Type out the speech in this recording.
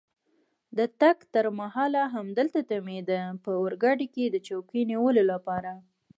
د تګ تر مهاله همدلته تمېده، په اورګاډي کې د چوکۍ نیولو لپاره.